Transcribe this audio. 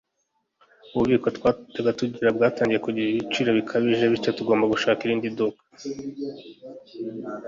Ububiko twajyaga tugura bwatangiye kwishyuza ibiciro bikabije bityo tugomba gushaka irindi duka